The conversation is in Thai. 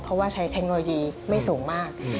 เพราะว่าใช้เทคโนโลยีไม่สูงมาก